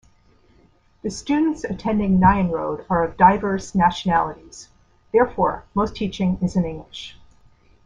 The students attending Nyenrode are of diverse nationalities, therefore most teaching is in English.